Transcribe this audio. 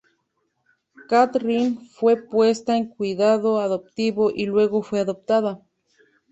Kathryn fue puesta en cuidado adoptivo, y luego fue adoptada.